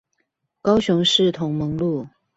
高雄市同盟路